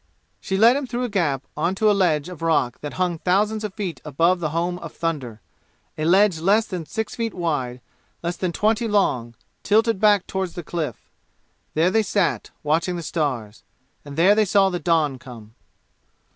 She led him through a gap on to a ledge of rock that hung thousands of feet above the home of thunder, a ledge less than six feet wide, less than twenty long, tilted back toward the cliff. There they sat, watching the stars. And there they saw the dawn come.